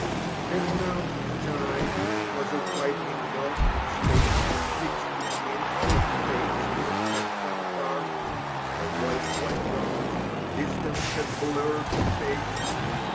And now time was a widening gulf and space, A fixed between, and fate still kept them apart. Her voice quite gone ; distance had blurred her face.